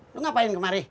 lo ngapain kemari